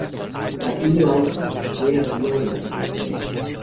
Basilio Auqui fue arriero de ocupación.